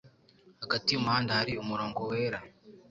Hagati y'umuhanda hari umurongo wera.